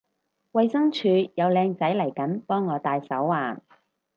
衛生署有靚仔嚟緊幫我戴手環